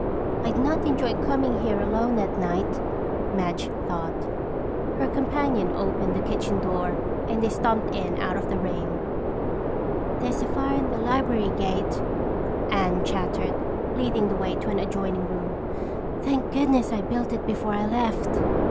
"I'd not enjoy coming here alone at night," Madge thought. Her companion opened the kitchen door and they stomped in out of the rain. "There's a fire in the library grate," Anne chattered, leading the way to an adjoining room. "Thank goodness I built it before I left."